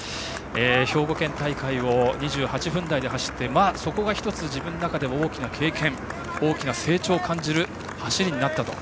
兵庫県大会を２８分台で走ってそこが１つ自分の中で大きな経験大きな成長を感じる走りになったと。